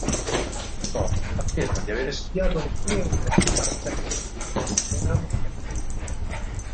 Moto afferma di avere studiato in due università straniere, di cui una americana.